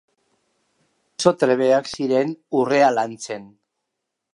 Oso trebeak ziren urrea lantzen.